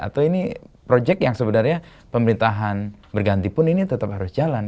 atau ini proyek yang sebenarnya pemerintahan berganti pun ini tetap harus jalan